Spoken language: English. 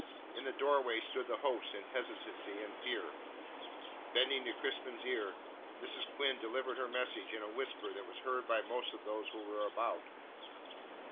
In the doorway stood the host in hesitancy and fear. Bending to Crispin's ear, Mrs. Quinn delivered her message in a whisper that was heard by most of those who were about.